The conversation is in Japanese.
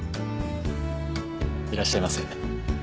いらっしゃいませ。